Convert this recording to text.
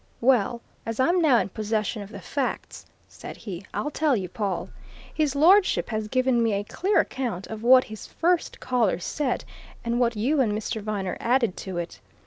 "Well, as I'm now in possession of the facts," said he, "I'll tell you, Pawle His Lordship has given me a clear account of what his first callers said, and what you and Mr. Viner added to it.